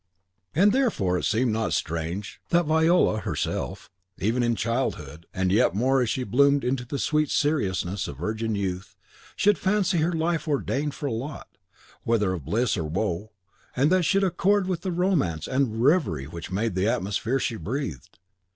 And therefore it seemed not strange that Viola herself, even in childhood, and yet more as she bloomed into the sweet seriousness of virgin youth, should fancy her life ordained for a lot, whether of bliss or woe, that should accord with the romance and reverie which made the atmosphere she breathed.